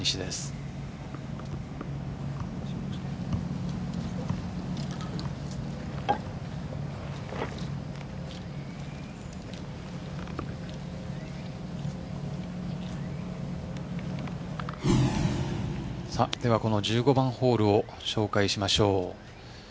ではこの１５番ホールを紹介しましょう。